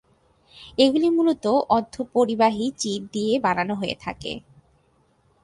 এগুলি মূলত অর্ধপরিবাহী চিপ দিয়ে বানানো হয়ে থাকে।